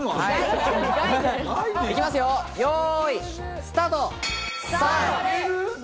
行きますよ、よい、スタート！